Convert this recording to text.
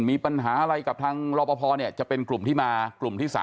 มีปัญหาอะไรกับทางรอปภจะเป็นกลุ่มที่มากลุ่มที่๓